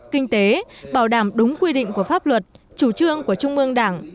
kinh tế bảo đảm đúng quy định của pháp luật chủ trương của trung mương đảng